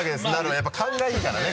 やっぱ勘が良いからね。